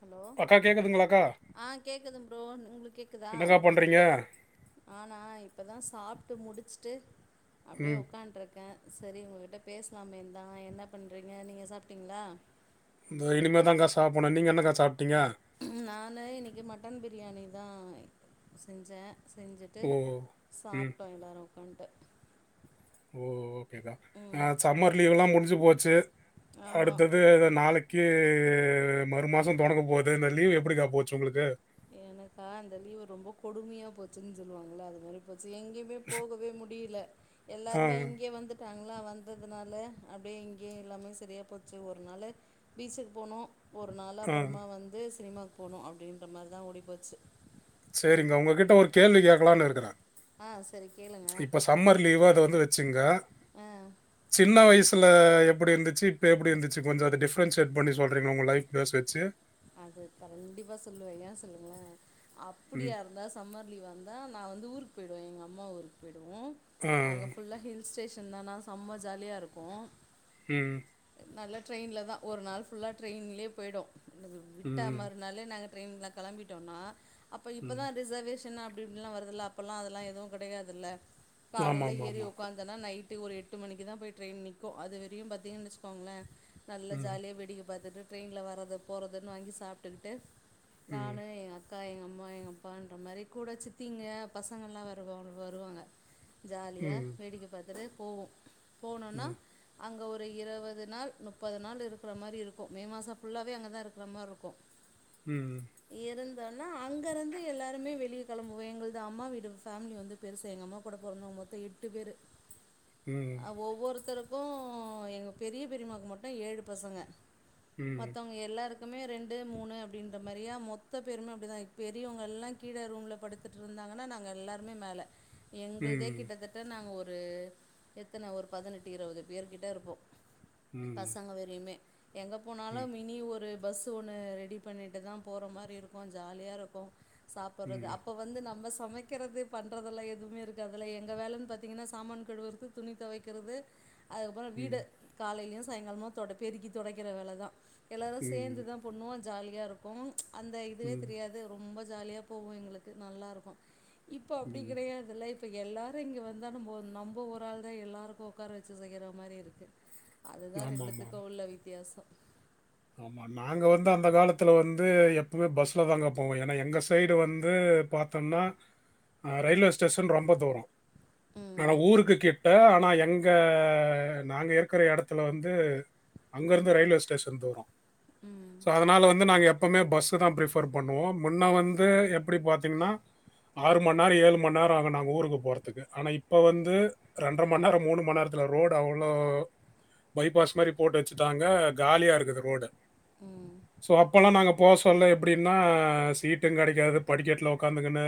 Hello அக்கா கேக்குதுங்களாக்கா ஆஹ் கேக்குது ப்ரோ உங்களுக்கு கேக்குதா என்னக்கா பண்ணுறீங்க ஆனா இப்பதா சாப்ட்டு முடிச்சுட்டு அப்டியே ம் உட்காண்டருக்கே செரி உங்ககிட்ட பேசலாமே தா என்ன பண்றிங்க நீங்க சாப்ட்டிங்களா இந்தோ இனிமேதாக்கா சாப்புட்ணு நீங்க என்னக்கா சாப்ட்டீங்க நானு இன்னைக்கு மட்டன் பிரியாணி தா செஞ்சே செஞ்சுட்டு ஓ ம் சாப்ட்டோ எல்லோரு முன்ட்டு ஓ அதா அ சம்மர் லீவ்ல்லா முடி ஞ்சு போச்சு ஆமா அடுத்தது இத நாளைக்கு க்கு மறு மாசோ தொடங்க போது இந்த லீவ் எப்படி கா போச்சு உங்களுக்கு எனக்கா இந்த லீவு ரொம்ப கொடுமையா போச்சுன்னு சொல்லுவாங்கள அது மாரி போ ச்சு எங்கேயுமே போகவே முடில ஆ எல்லாருமே இங்கே வந்துட்டா எல்லா வந்ததுனால அப்டியே இங்கே எல்லாமே செரியா போச்சு ஒரு நாளு பீச்சுக்கு போனோ ஒரு நாள் ஆ அப்பறமா வந்து சினிமாக் போனோ அப்டின் அந்த மாரி தா ஓடி போச்சு சேரிங்க உங்ககிட்ட ஒரு கேள்வி கேக்கலான்னு இருக்குற ஆ சரி கேளுங்க இப்ப சம்மர் லீவு அத வந்து வெச்சுக்குங்க ஆ சின்ன வயசு ப்ல்ல எப்டி இருந்துச்சு இப்ப எப்டி இருந்துச்சு கொஞ்சோ அத டிஃப்ரன்சியேட் பண்ணி சொல்றீங்ளா உங்க லைஃப் டேஸ் வெச்சு அது கண்டிப்பா சொல்லுவேங்க சொல்லுங்களே ம் அப்டியா இருந்தா சம்மர் லீவ் வந்தா‌ நா வந்து ஊருக்கு போயிடுவ எங்க அம்மா ஊருக்கு போய் டுவோ ஆ அங்க ஃபுல்லா ஹில் ஸ்டேஷன் தானா சம்ம ஜாலியா இருக்கு உம் நால்லா ட்ரைன்ல தா ஒரு நாள் ஃபுல்லா ட்ரைன்லே போய்டு விட்டா ம் மறுநாளே நாங்க ட்ரெயின்ல கெளம்பிட்டோனா அப்ப இப்ப ம் தா ரிசர்வேஷ் சின்ன அப்டேட்ன்லா வருதுல அப்பலா அதெல்லா எதுவு கெடையாதுல காலைல ஏறி ஆமாமாமா. ஒக்காந்தனா நைட் ட்டு ஒரு எட்டு மணிக்குதா போய் ட்ரெயின் நிக்கு அது வரையு பாத்தீங்கன் வெச்சுகோங்களே நல்லா ம். ஜாலியா வேடிக்க பாத்துட்டு ட்ரெயின்ல வரது போறதுன்னு வாங்கி சாப்ட்டுக்கிட்டு நானு ம். ஏ அக் க்கா எங்கம்மா எங்கப்பான்ற மாரி கூட சித்திங்க பசங்கள்லா வருவோனு வருவாங்க ஜாலியா ம். வேடிக்க பாத்துட்டு போவோ போனோன்னா ம். அங்க ஒர் ரு இருவது நாள் முப்பது நாள் இருக்கிற மாரி இருக்கு மே மாச ஃபுல்லாவே அங்கதா இருக்கிற மார்ருக்கு உம் உம் ஒன்னா அங்கருந்து எல்லாருமே வெளிய கெளம்புவே எங்கள்து அம்மா வீடு ஃபேம்லி வந்து பெருசு எங்க அம்மா கூட பொறந்தவ்ங்க மொத்த எட்டு பேரு ம். அஹ் ஒவ்வொருத்தருக் கு எங்க பெரிய பெரிமாக்கு மட்டு ஏழு பசங்க ம். மத்தவ்ங்க எல்லாருக் அமே ரெண்டு மூணு அப்படின்ற மாதிரியா மொத்த பேருமே அப்படிதான் பெரியவங்க எல்லாம் கீழே ரூம்ல படுத்துட்டு இருந்தாங்கன்னா நாங்க எல்லாருமே மேல எங்கள்தே ம். கிட்டத்தட்ட நாங்கள் ஒரு ஒரு எத்தனை ஒரு பதினெட்டு இருபது பேர்கிட்ட இருப்போ ம். ம். பசங்கவரயுமே எங்க ம். போனாலும் மினி ஒரு பஸ்ஸு ஒன்று ரெடி பண்ணிட்டு தான் போற மாதிரி இருக்கு ஜாலியாக இருக்கு சாப்பிடுறது ம். அப்ப வந்து நம்ம சமைக்கிறது பண்ணுறதெல்லாம் எதுவுமே இருக்காதுல்ல எங்க வேலைன்னு பாத்திங்கன்னா சாமான் கழுவுறது துணி துவக்கிறது அதுக்கப்புறம் வீடு ம். காலையிலையு சாயங்காலம தொட பெருக்கி தொடக்கிற வேலை தான் சேர்ந்துதான் பண்ணுவ ஜாலியாக இருக்கு அந்த இதுவே ம். தெரியாது ரொம்ப ஜாலியா போவோம் எங்களுக்கு நல்லா இருக்கும் இப்போ அப்படி ம். கிடையாது ஃலைப் எல்லாரு இங்க வந்தா நம்ம நம்ப ஒரு ஆள் தான் எல்லாருக்கு உட்கார வச்சு செய்ற மாதிரி இருக்கு அது தான் ஆமாமாம். ஆமா. ரெண்டுத்துக்கும் உள்ள வித்தியாசம் ஆமா நாங்கள் வந்து அந்த காலத்தில்ல வந்து எப்பமே பஸ்ல தாங்க போவோம் ஏன்னா எங்க சைடு வந்து பாத்தோம்னா ரயில்வே ஸ்டேஷன் ரொம்ப தூரம் ம் நான் ஊருக்கு கேட்டு ஆனால் எங்கே நாங்கள் இருக்கிற இடத்துல வந்து அங்கேருந்து ரயில்வே ஸ்டேஷன் தூரம் ம் சோ அதனால வந்து நாங்க எப்ப இப்போவுமே பஸ்ஸு தான் ப்ரிஃபர் பண்ணுவோம் முன்னே வந்து எப்படி பாத்தீங்கன்னா ஆறு மணிநேரம் ஏழு மணிநேரம் ஆகும் நாங்கள் ஊருக்கு போகுறதுக்கு ஆனால் இப்போ வந்து ரெண்டுரை மணி நேரம் மூணு மணி நேரத்தில் ரோடு அவ்ளோ பைபாஸ் மாதிரி போட்டு வச்சுட்டாங்க காலியாக இருக்குது ரோட ம் சோ அப்பல்லாம் நாங்க போக சொல்ல எப்படின்னா சீட்டு கிடைக்காது படிக்கெட்டில உ்காந்துங்கன்னு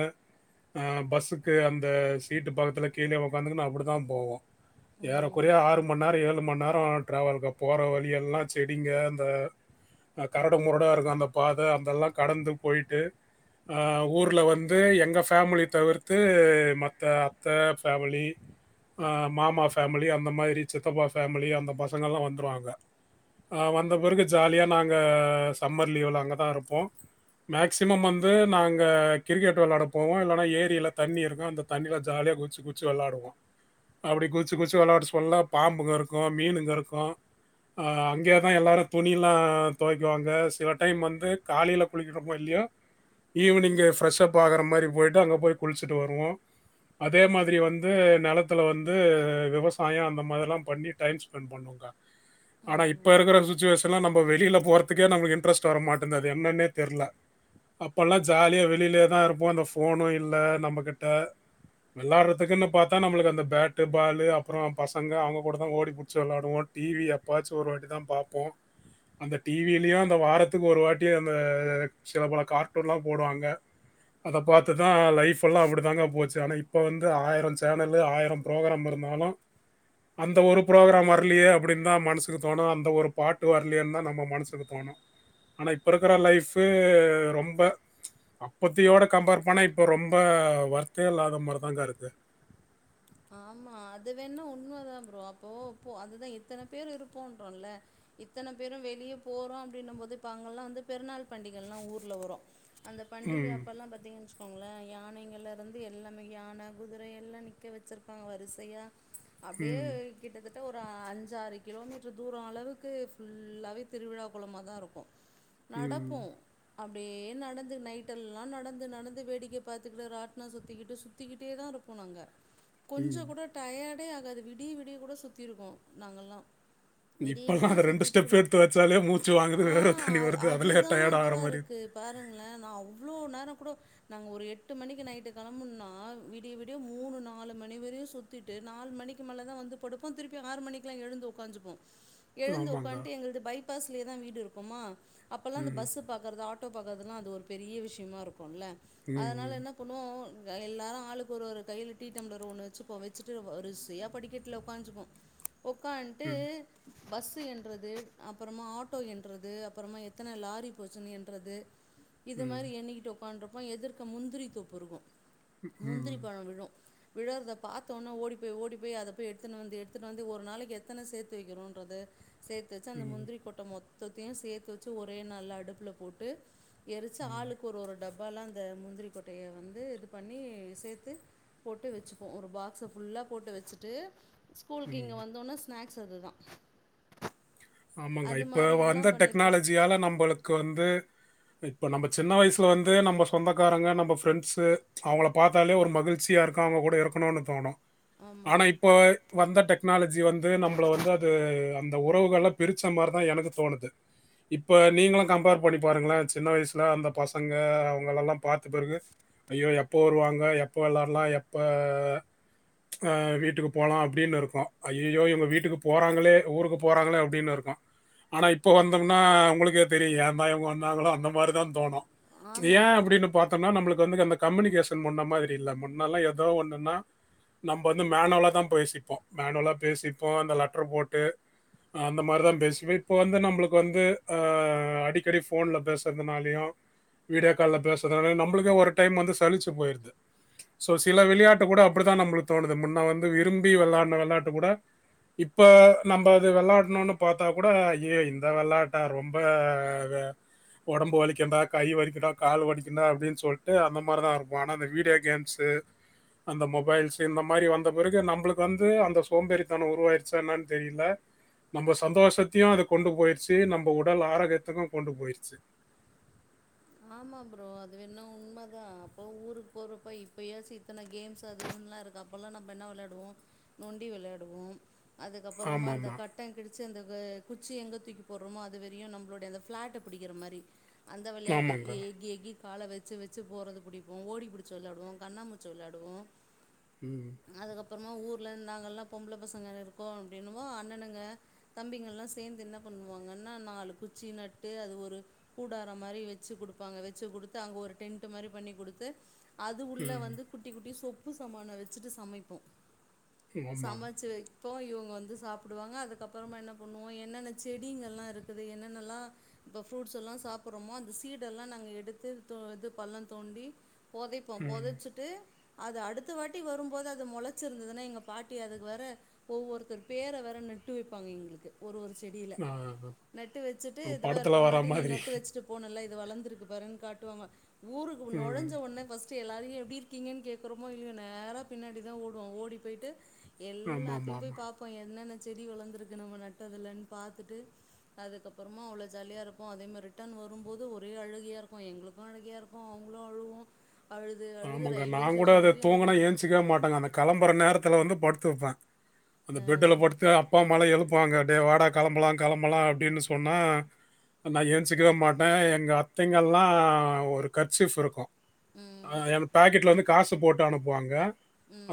பஸ்ஸுக்கு அந்த சீட்டு பக்கத்தில கீழே உ்காந்துங்கன்னு அப்படி தான் போவோம் ம் ஏறக்குறைய ஆறு மணி நேரம் ஏழு மணி நேரம் டராவல் போற வழி எல்லாம் செடிங்க அ ஆ கரடு முரடா அந்த பாத அதல்லாம் கடந்து போயிட்டு ஊர்ல வந்து எங்க பேமிலி தவிர்த்து மத்த அத்த பேமிலி மாமா பேமிலி அந்த மாறி சித்தப்பா பேமிலி அந்த பசங்கல்லாம் வந்துருவாங்க ஆ வந் ந்த பிறகு ஜாலியா நாங்க சம்மர் லீவ்ல அங்க தா இருப்போம் மேக்சிமம் வந்து நாங்க கிரிக்கெட் விளாட போவோம் இல்லனா ஏரியில் தண்ணி இருக்கும் அந்த தண்ணியில் ஜாலியா குச்சி குச்சி விளாடுவோம் அப்டி குச்சி குச்சி விளாட சொல்ல பாம்புங்க இருக்கும் மீனுங்க இருக்கும் அங்கயே தா எல்லாரரும் துணிலாம் தொய்க்குவாங்க சில டைம் வந்து காலைல குளிக்குறோமோ இல்லையோ ஈவினிங் பிரஷுப் ஆகுற மாரி போய்ட்டு அங்க போய் குளிச்சிட்டு வருவோம் அதே மாதிரி வந்து நெலத்துல வந்து விவசாயம் அந்த மாதிரிலாம் பண்ணி டைம் ஸ்பென்ட் பண்ணுவோங்க ஆனா இப்போ ம் இருக்குற சிடுவேஷன் இப்பல்லா நம்ப வெளில போறதுக்கே நம்மளுக்கு இட்ரெஸ்ட் வர மாட்டேந்து அது என்னென்னே தெர்ல அப்போல்லா ஜாலியா வெளிலேயே தா இருப்போ அந்த ஃபோனும் இல்ல நம்மக்கிட்ட வெளாட்றதுக்குன்னு பாத்தா நம்மளுக்கு அந்த பேட்டு பாலு அப்றோ பசங்க அவுங்க கூட தா ஓடி புடிச்சி வெளாடுவோ டி வி எப்பாச்சும் ஒரு வாட்டி தா பாப்போம் அந்த டிவிலயும் அந்த வாரத்துக்கு ஒரு வாட்டி அந்த சில பல கார்ட்டூன்லாம் போடுவாங்க அத பாத்துதா லைஃப் எல்லாம் அப்டி தாங்க போச்சு ஆனா இப்ப வந்து ஆயிரம் சேனல்லு ஆயிரம் ப்ரோக்ராம் இருந்தாலும் அந்த ஒரு ப்ரோக்ராம் வரலயே அப்படின்னு தான் மனசுக்கு தோணும் அந்த ஒரு பாட்டு விட்டு வரலயேன்னு தான் நம்ம மனசுக்கு தோணும் ஆனா இப்ப இருக்கிற லைஃப ரொம்ப அப்பத்தியோட கம்பேர் பண்ண இப்ப ரொம்ப வருத்தே இல்லாத மாதிரிதாங்க இருக்கு ஆமா அது வேணா உண்மதா ப்ரோ அப்போ போ அதுதா இத்தன பேரு இருப்போன்றோல இத்தன பேரும் வெளியே போறோம் அப்டின்ன போது இப்ப அங்க எல்லாம் வந்து பெருநாள் பண்டிகல்லாம் ஊர்ல வரும் அந்த பண்டிக ம் அப்பெல்லாம் பாத்தீங்கன்ன வச்சுக்கோங்களேன் யாங்கள்ல இருந்து எல்லாமே யான குதிர எல்லாமே நிக்க வெச் வச்சுருப்பாங்க வரிசையா அப்டியே ம் கிட்டத்த கிட்ட ஒரு அஞ்சாறு கிலோமீட்டர் தூரம் அளவுக்கு ஃபுல்லாகவே திருவிழா கோலமா தான் இருக்கும் நடப்போ ம் அப்டியே நடந்து நைட்டெல்லா நடந்து நடந்து வேடிக்க பாத்துக்கிட்டு ராட்னம் சுத்திக்கிட்டு சுத்திக்கிட்டே தா இருப்போ நாங்க கொஞ்சோ ம் கூட டயாடே ஆ அது விடிய விடிய கூட சுத்தி இருக்கோம் நாங்கல்லாம் விடிய இப்பெல்லாம் விடிய அது ரெண்டு சுத்திட்டு கூட ஸ்டெப் எடுத்து வச்சாலே மூச்சு வாங்குது வேற தண்ணி ஆஹ் வருது அதுலயே அதுதா டயர்ட் ஆகிற இதுவா மாதிரி இருக்கு பாருங்களேன் நா அவ்வளோ நேரம் கூட நாங்க ஒரு எட்டு மணிக்கு நைட்டு கெளம்புனா விடிய விடிய மூணு நாலு மணி வரையும் சுத்திட்டு நாலு மணிக்கு மேல தா வந்து படுப்போம் திருப்பி ஆறு மணிக்கெலாம் எழுந்து உட்காஞ்சிப்போம் எழுந்து ஆமாங்க உக்கான்ட்டு எங்களது பைபாஸ் லேதா வீடு இருக்குமா அப்போல்லாம் இந்த ம் பஸ் பாக்கறது ஆட்டோ பாக்கறது அதேல்லாம் பெரிய விஷயமா இருக்கும் போம்ல அதனால ம் என்ன பண்ணுவோ எல்லாரு ஆளுக்கு ஒரு ஒரு கையில டி டி டம்ளர் ஒன்னு வெச்சுப்போ வெச்சுட்டு வரிசயா படிக்கட்டுல உக்காஞ்சிப்போ ஒக்கான்ட்டு ம் பஸ் என்றது அப்றமா ஆட்டோ என்றது அப்றமா எத்தன லாரி போச்சுன்னு என்றது இது மாரி ம் என்னைிக்கிட்டோ பண்றப்போ எதிர்க்க முந்திரி தோப்பு இருக்கோ முந்திரி ம் பழோ விழு விழறத பாத்தோன்னே ஓடி போய் ஓடி போய் அத போய் எடுத்துட்டு வந்து எடுத்துட்டு வந்து ஒரு நாளைக்கி எத்தன சேத்து வைக்கிறோன்றது சேத்துவச்சு அந்த ம் முந்திரிகொட்ட மொ தொத்தயும் சேத்து வச்சு ஒரே நால்ல அடுப்புல போட்டு எரிச்சு ம் ஆளுக்கு ஒரு ஒரு டப்பு அப்பலாம் அந்த முந்திரிக்கொட்டைய வந்து இது பண்ணி சேத்து போட்டு போட்டு வச்சுப்போம் ஒரு பாக்ஸ ஃபுல்லா போட்டு வச்சுட்டு ஸ்கூலுக்கு இங்க ம் வந்தவொன ஸ்னாக்ஸ் இதுதான் ஆமாங்க இப்போ வந்த டெக்னாலஜியால நம்மளுக்கு வந்து இப்ப நம்ம சின்ன வயசுல வந்து நம்ம சொந்தக்காரங்க நம்ம ஃப்ரெண்ட்ஸு அவங்கள பாத்தாலே ஒரு மகிழ்ச்சியா இருக்கு அவங்க கூட இருக்கணுனு தோணு ஆமாம் ஆனா இப்போ வந்த ட டெக்னாலஜி வந்து நம்மள வந்து அது அந்த உறவுகளை பிரிச்ச மாதிரி தான் எனக்கு தோணுது இப்போ நீங்களு கம்பேர் பண்ணி பாருங்களே சின்ன வயசில் அந்த பசங்க அவங்கள எல்லா பார்த்த பிறகு ஐயோ எப்போ வருவாங்க எப்போ விளாடலா எப்போ வீட்டுக்கு போகலா அப்படின்னு இருக்கோம் ஐயோ இவங்க வீட்டுக்கு போறாங்களே ஊருக்கு போறாங்களே அப்படி ப்டின் இருக்கு ஆனா இப்ப வந்தம்னா உங்குளுக்கே தெரியு ஏந்தா இவுங்க வந்தாங்களோ அந்த மாரி தாந் தோணு இது ஏ ஆமாம் அப்டினு பாத்தம்னா நம்ளுக் வந்து அந்த கம்யூனிகேஷன் முன்ன மாதிரி இல்ல முன்னெல்லாம எதோ ஒன்னுன்னா நம்ப வந்து மேனுவலா தா பேசிப்போ மேனுவலா பேசிப்போ அந்த லெட்ரு போட்டு அ அந்த மாரிதா பேசுப இப்ப வந்து நம்பளுக் வந்து அ அடிக்கடி ஃபோன்ல பேசுறதுனாலயு வீடியோ கால்ல பேசுறதுனாலயு நம்புளுக்கே ஒரு டைம் வந்து சலிச்சு போய்ருது சோ சில விளயாட்ட கூட அப்டிதா நம்ளுக் தோணுது முன்ன வந்து விரும்பி வெளாட்ன வெளாட்டு கூட இப்ப நம்ப அது வெளா ட்னுனு பாத்தா கூட அய்யயே இந்த வெளாட்டா ரொம்ப வ ஒடம்பு வலிக்குண்டா கை வலிக்குண்டா கால் வலிக்குண்டா அப்டின் சொல்ட்டு அந்த மார்தாருப்போ ஆனா இந்த வீடியோ கேம்ஸு அந்த மொபைல்ஸு இந்த மாரி வந்த பிறகு நம்பளுக் வந்து அந்த சோம்பேறித்தனோ உருவாயிருச்சா என்னான் தெரியில நம்ம சந்தோஷத்தையு அது கொண்டு போயிருச்சு நம்ப உடல் ஆரோக்கயத்துக்கு கொண்டு போயிருச்சு ஆமா ப்ரோ அது வேண்ணா உண்மை தா அப்போ ஊருக் போறப்ப இப்பயாச்சு இத்தன கேம்ஸ் அது இதுன்லா இருக்கு அப்பல்லா நம்ப என்ன வெளையாடுவோ நொண்டி வெளையாடுவோ அதுக்கப்பறமா ஆமா அந்த ஆமா கட்டங் கிழிச்சு அந்த க குச்சி எங்க தூக்கி போட்றோமோ அது வரையு நம்மளோடய அந்த ஃபிளாட்ட பிடிக்கற மாரி அந்த விளையாட் எ ஆமாங்க எக்கி எக்கி கால வெச்சு வெச்சு போறது புடிப்போ ஓடி புடிச்சு வெளாடுவோ கண்ணா மூச்சு வெளாடுவோ உம் அப்பறமா ஊர்ல நாங்கள்லா பொம்பள பசங்க இருக்கோ அப்டின்னவு அண்ணனுங்க தம்பிங்கள்லா சேந்து என்ன பண்ணுவாங்கன்னா நாலு குச்சி நட்டு அது ஒரு கூடாரம் மாரி வெ ச்சு குடுப்பாங்க வெச்சு குடுத்து அங்க ஒரு டென்ட் மாரி பண்ணி குடுத்து அது உள்ள ம் வந்து குட்டி குட்டி சோப் ப்பு சாமான வெச்சுட்டு சமைப்போ ஆமா சமைச்சு வெ ப்போ இவுங்க வந்து சாப்புடுவாங்க அதுக்கப்பறமா என்ன பண்ணுவோ என்னென்ன செடிங்கல்லா இருக்குது என்னென்னெல்லா இப்ப ஃப்ரூட்ஸ் எல்லா சாப்பறமோ அந்த ஸ் ஈடெல்லா நாங்க எடுத்து து இது பள்ளந் தோண்டி பொதைப்போ ம் பொதைச்சிட்டு அது அடுத்த வாட்டி வரும்போது அது மொளச்சிருந்துதுனா எங்க பாட்டி அதுக்கு வேற ஒவ்வொருத்தர் பேர வேற நட்டு வெப்பாங்க எங்ளுக்கு ஒரு ஒரு எடியில ஆ, நட்டு வெச்சுட்டு இத பாரு படத்துல போன வர வாட்டி நீ மாதிரி நட்டு வெச்சுட்டு போனல்ல இது வளந்திருக்கு பாருன் காட்டுவாங்க ஊருக்கு ம் நொழைஞ்ச ஒன்னே ஃபஸ் ட்டு எல்லாரையு எப்டி இருக்கீங்கன் கேக்கறோமோ இல்லியோ நேரா பின்னாடி தா ஓடுவோ ஓடி போயிட்டு ஆமா ஆமா எல்லாத்தையும் போய் ஆமா பாப்போ என்னென்ன செடி வளந்திருக்கு நம்ம நெட்டதுலன் பாத்துட்டு அதுக்கப்புறமா அவ்ளோ ஜாலியா இருக்கு அதே மாரி ரிட்டர்ன் வரும்போது ஒ ஒரே அழுகையா இருக்கு எங்குளுக்கு அழுகையா இருக்கு அவுங்குளு அழுவ்வு ஆமாங்கா நாங் கூட அத தூங்கனா அழுதுன்ட்டுருப்போம் ஏஞ்சுக்கவே மாட்டங்கா அந்த கெளம்பற நேர த்துல வந்து படுத்துருப்பே அந்த பெட்டுல அஹ் படுத்து அப்பா அம்மால எழுப் வாங்க டே வாடா கெளம்பலா கெளம்பலா அப்டின்னு சொன்னா நா எஞ்சிக்கவே மாட்டே எங்க அத்தைங்கள்லா ஒரு கர்சிஃப் இருக்கு உம் அ என் பேக்கெட்ல வந்து காச போட்டு அனுப்புவாங்க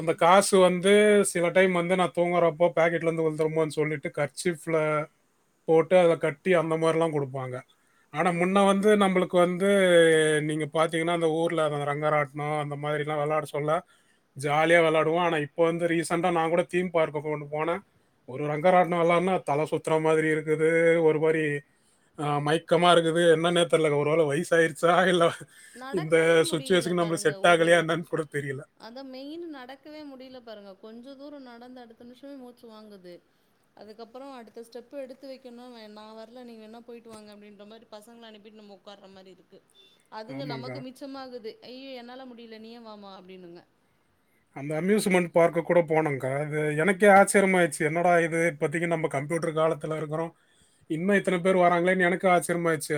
அந்த காசு வந்து சில டைம் வந்து நா தூங்கறப்போ பேக்கெட்ல இருந்து உழுந்துருமோ சொல்லிட்டு கர்ச்சிஃப்ல போட்டு அத கட்டி அந்த மாரிலா கொடுப்பாங்க. ஆனா முன்ன அஹ் வந்து நம்மளுக்கு வந்து நீங்க பாத் திங்கனா அந்த ஊர்லதா ரங்கராட்னோ அந்த மாதிரி எல்லா வெளாட சொல்ல ஜாலியா வெளாடுவோ ஆனா இப்ப வந்து ரீசண்டா நா கூட தீம் பார்க்கு கொ போனே ஒரு ரங்கராட்னோ வெளாடுனா தல சுத்துற மாதிரி இருக்குது ஒரு மாரி ஆ மயக்கமா இருக்குது என்னனே தெர்ல ஒருவேள வயசு ஆயிருச்சா இல்ல இந்த நடக்கவே முடி யில சிச்சுவேஷன் நம்மளுக்கு பாருங்க செட் ஒரு ஆகலையா என்னன்னு கூட தெரியல. அத மெயின் நடக்கவே முடியல பாருங்க கொஞ்சோ தூரம் நடந்த அடுத்த நிமிஷமே மூச்சு வாங்குது அதுக்கப்புறோ அடுத்த ஸ்டெப்பு எடுத்து வைக்கணு நா வரல நீங்க வேணா போயிட்டு வாங்க அப்டின்ற மாரி பசங்கள அனுப்பிட்டு நம்ம உட்காற மாரி இருக்கு அதுங்க ஆமாங்க. நமக்கு மிச்சமாகுது ஐயோ என்னால முடி டில நீயு வாமா அப்டின்னுங்க அந்த அம்யூஸ்மெண்ட் பார்க்கு கூட போனங்க்கா அது எனக்கே ஆச்சரியமா ஆயிச்சு என்னடா இது பாத்தீங்க நம்ம கம்ப்யூட்டர் காலத்துல இருக்கிறோ இன்னு இத்தன பேர் வராங்களேன்னு எனக்கு ஆச்சரியம் ஆயிச்சு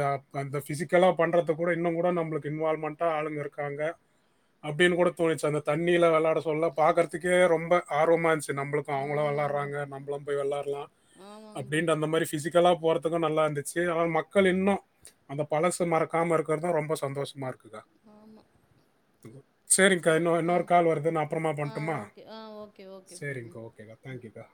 ஃபிசிக்கலா பண்றது கூட இன்னு கூட நமக்கு இன்வால்வ்மெண்டா ஆளுங்க இருக்காங்க அப்படின்னு கூட தோணிச்சு அந்த த ண்ணில வெளாட சொல்ல பாக்கறதுக்கே ரொம்ப ஆர்வமா இன்ச்சு நம்மளுக் கு அவங்களா ஆமா ப்ரோ வெளாடுறாங்க நம்ளும் போய் வெளாடலா ஆமாங்க ப்ரோ அப்டின்னு அந்த மாரி ஃபிசிக்கலா போறதுக்கும் நல்லா இருந்துச்சு ஆனா மக்கள் இன்னு அந்த பழசு மறக்காம இருக்கறதுதா ரொம்ப சந்தோஷமா இருக்குக்கா ஆமா செரிங்க்கா சரி இன்னொ ஆ இன்னொரு கால் வருது நா அப்புறமா ஆ பண்ணட்டுமா ஓகே ஆ ஓகே ஓகே ப்ரோ ம் சரிங்க்கா ஓகேக்கா தேங்க்யூக்கா